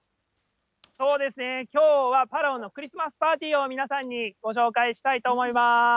そうですね、きょうはパラオのクリスマスパーティーを、皆さんにご紹介したいと思います。